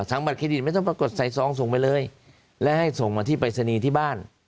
บัตรเครดิตไม่ต้องปรากฏใส่ซองส่งไปเลยและให้ส่งมาที่ปรายศนีย์ที่บ้าน